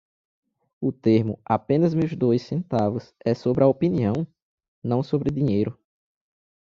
O termo "apenas meus dois centavos" é sobre a opinião? não sobre dinheiro.